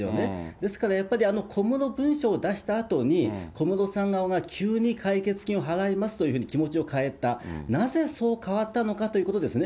ですからやっぱり、小室文書を出したあとに、小室さん側が急に解決金を払いますというふうに気持ちを変えた、なぜそう変わったのかということですね。